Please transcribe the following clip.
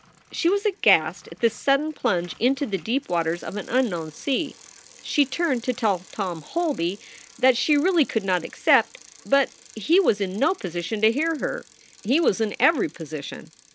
She was aghast at this sudden plunge into the deep waters of an unknown sea. She turned to tell Tom Holby that she 128 SOULS FOR SALE really could not accept. But he was in no position to hear her. He was in every position.